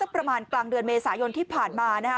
ประมาณกลางเดือนเมษายนที่ผ่านมานะฮะ